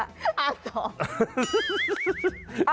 อ้าวสอง